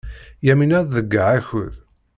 Yamina ad tḍeyyeɛ akud.